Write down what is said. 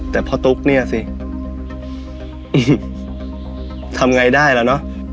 แต่พ่อตุ๊กเนี่ยสิทำไงได้แล้วเนอะ